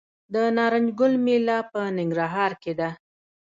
د نارنج ګل میله په ننګرهار کې ده.